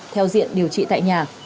theo diện điều trị tại nhà